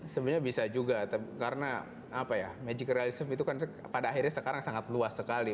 sebenarnya bisa juga karena apa ya magic realism itu kan pada akhirnya sekarang sangat luas sekali